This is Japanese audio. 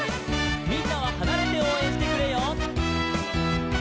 「みんなははなれておうえんしてくれよ」